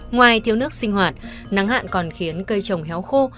ngoài thiếu nước sinh hoạt nắng hạn còn khiến cây trồng héo khô